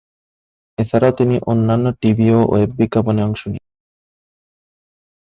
এছাড়াও তিনি অন্যান্য টিভি ও ওয়েব বিজ্ঞাপনে অংশ নিয়েছেন।